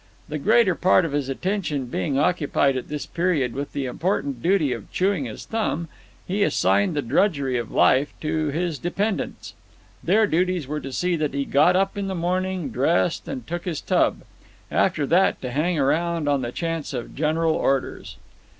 The greater part of his attention being occupied at this period with the important duty of chewing his thumb, he assigned the drudgery of life to his dependants. Their duties were to see that he got up in the morning, dressed, and took his tub; and after that to hang around on the chance of general orders.